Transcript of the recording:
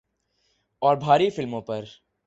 اور بھارتی فلموں پر